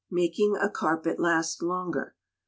Making a Carpet Last Longer.